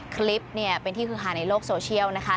คลิปเนี่ยเป็นที่คือฮาในโลกโซเชียลนะคะ